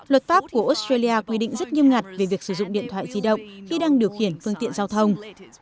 luật pháp của australia quy định rất nghiêm ngặt về việc sử dụng điện thoại di động khi đang điều khiển phương tiện giao thông